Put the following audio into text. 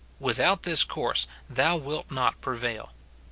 Without this course thou wilt not prevail.